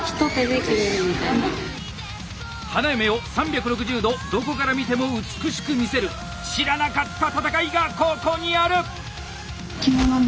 花嫁を３６０度どこから見ても美しく見せる知らなかった戦いがここにある！